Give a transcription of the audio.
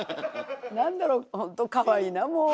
何だろうほんとかわいいなもう。